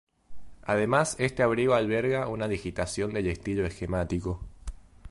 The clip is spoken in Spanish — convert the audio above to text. Además este abrigo alberga una digitación del estilo esquemático.